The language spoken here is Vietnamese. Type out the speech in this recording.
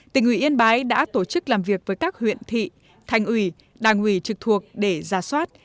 tỉnh ủy yên bái đã tổ chức làm việc với các huyện thị thành ủy đảng ủy trực thuộc để ra soát